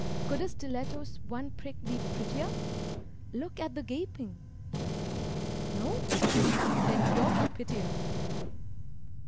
Could a stiletto's one prick be prettier? Look at the gaping. No? then you're her pitier!